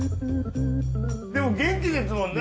でも元気ですもんね。